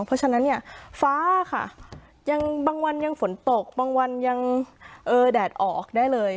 เพราะฉะนั้นเนี่ยฟ้าค่ะยังบางวันยังฝนตกบางวันยังแดดออกได้เลย